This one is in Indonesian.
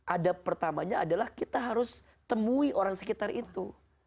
adab pertamanya adalah kita harus temui orang sekitar itu